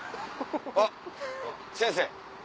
あっ先生。